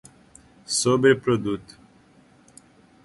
sobreproduto